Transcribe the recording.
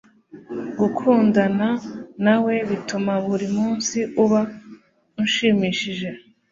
gukundana nawe bituma buri munsi uba ushimishije